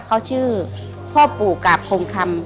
เขาชื่อพ่อปู่กาบพงคำ